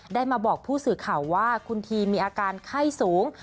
ได้มาบอกผู้สื่อข่าวว่าคุณทีมีอาการไข้สูง